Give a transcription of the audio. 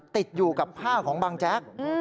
ติดอยู่กับผ้าของบังแจ๊ก